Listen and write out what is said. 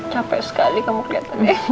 capek sekali kamu ke depan ya